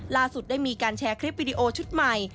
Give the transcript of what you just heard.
ได้มีการแชร์คลิปวิดีโอชุดใหม่